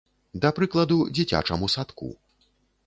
Да прыкладу, дзіцячаму садку.